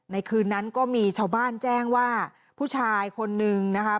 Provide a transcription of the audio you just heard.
คืนนั้นก็มีชาวบ้านแจ้งว่าผู้ชายคนนึงนะคะ